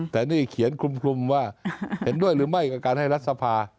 แต่นี่เขียนคลุมว่าเห็นด้วยหรือไม่กับการให้รัฐสภา